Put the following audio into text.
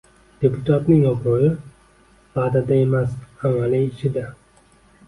Deputatning obro‘yi va’dada emas, amaliy ishida